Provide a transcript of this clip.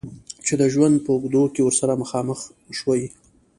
چې د ژوند په اوږدو کې ورسره مخامخ شوی.